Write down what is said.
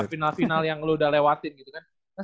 final final yang lo udah lewatin gitu kan